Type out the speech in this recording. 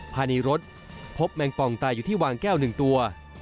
ภายในรถพบแมงปองตายอยู่ที่วางแก้ว๑ตัว